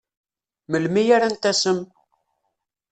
Melmi ara n-tasem?